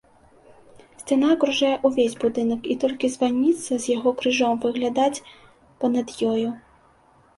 Сцяна акружае ўвесь будынак, і толькі званіца з яго крыжом выглядаць па-над ёю.